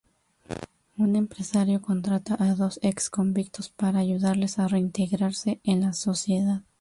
Un empresario contrata a dos ex convictos para ayudarles a reintegrarse en la sociedad.